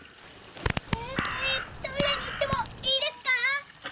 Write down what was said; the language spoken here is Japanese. せんせいトイレに行ってもいいですか？